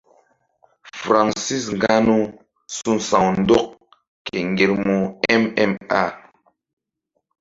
Francis nganou su̧ sa̧w ndɔk ke ŋgermu mma.